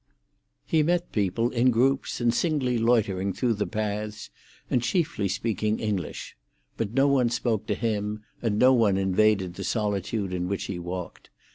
He met people in groups and singly loitering through the paths, and chiefly speaking English; but no one spoke to him, and no one invaded the solitude in which he walked.